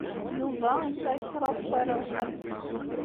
Yuba yesɛa kraḍ n warraw n xalti-s.